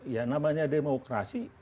ya namanya demokrasi